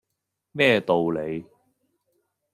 咩道理